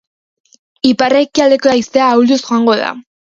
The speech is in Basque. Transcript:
Ipar-ekialdeko haizea ahulduz joango da.